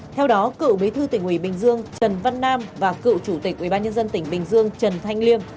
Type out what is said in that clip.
theo đó cựu bí thư tỉnh ủy bình dương trần văn nam và cựu chủ tịch ubnd tỉnh bình dương trần thanh liêm